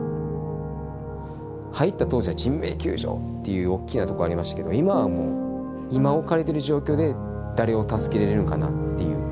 入った当時は「人命救助！」っていうおっきなとこありましたけど今はもう今置かれてる状況で誰を助けれるんかなっていう。